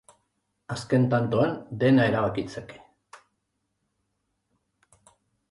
Azken tantoan dena erabakitzeke.